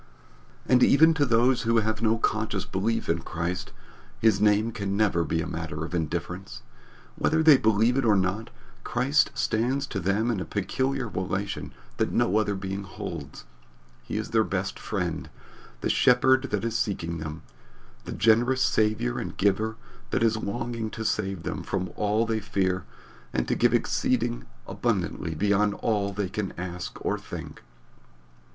And even to those who have no conscious belief in Christ, his name can never be a matter of indifference. Whether they believe it or not, Christ stands to them in a peculiar relation that no other being holds. He is their best Friend, the Shepherd that is seeking them, the generous Saviour and Giver that is longing to save them from all that they fear and to give exceeding abundantly beyond all they can ask or think.